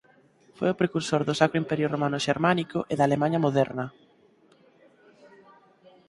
Foi o precursor do Sacro Imperio Romano Xermánico e da Alemaña moderna.